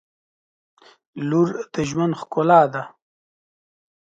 • لور د ژوند ښکلا ده.